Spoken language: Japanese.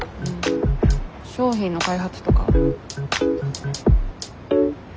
商品の開発とか。